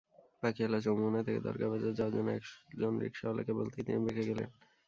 পাখিয়ালা চৌমোহনা থেকে দরগাবাজার যাওয়ার জন্য একজন রিকশাওয়ালাকে বলতেই তিনি বেঁকে গেলেন।